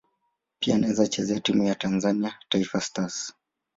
Pia anachezea timu ya taifa ya Tanzania Taifa Stars.